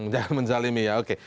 jangan menjalimi ya oke